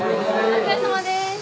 お疲れさまです。